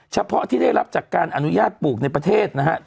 เฉพาะที่ได้รับจากการอนุญาตปลูกในประเทศนะครับ